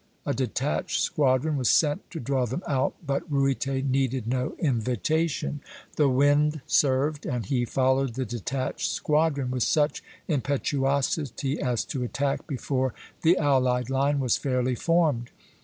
A detached squadron was sent to draw them out, but Ruyter needed no invitation; the wind served, and he followed the detached squadron with such impetuosity as to attack before the allied line was fairly formed.